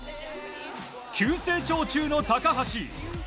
急成長中の高橋。